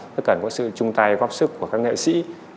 rất cần có sự chung tay góp sức của các nghệ sĩ